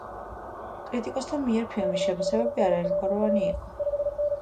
კრიტიკოსთა მიერ ფილმის შეფასებები არაერთგვაროვანი იყო.